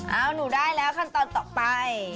เอาหนูได้แล้วขั้นตอนต่อไป